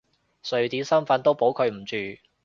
瑞典身份都保佢唔住！